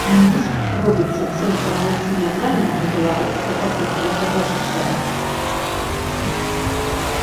Мінск робіцца цэнтрам нацыянальнага беларускага культурнага жыцця.